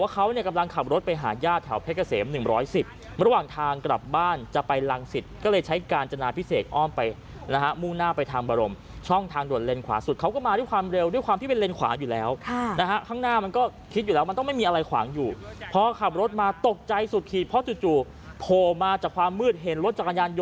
เขาเนี่ยกำลังขับรถไปหาญาติแถวเพชรเกษม๑๑๐ระหว่างทางกลับบ้านจะไปรังสิตก็เลยใช้กาญจนาพิเศษอ้อมไปนะฮะมุ่งหน้าไปทางบรมช่องทางด่วนเลนขวาสุดเขาก็มาด้วยความเร็วด้วยความที่เป็นเลนขวาอยู่แล้วนะฮะข้างหน้ามันก็คิดอยู่แล้วมันต้องไม่มีอะไรขวางอยู่พอขับรถมาตกใจสุดขีดเพราะจู่โผล่มาจากความมืดเห็นรถจักรยานย